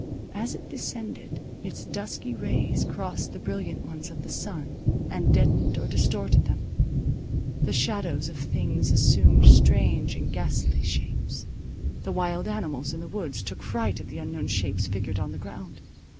As it descended, its dusky rays crossed the brilliant ones of the sun, and deadened or distorted them. The shadows of things assumed strange and ghastly shapes. The wild animals in the woods took fright at the unknown shapes figured on the ground.